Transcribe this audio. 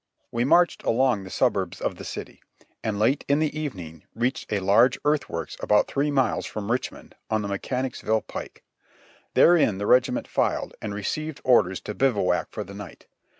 We marched along the suburbs of the city, and late in the evening reached a large earthworks about three miles from Rich mond on the Mechanicsville pike ; therein the regiment filed, and received orders to bivouac for the night.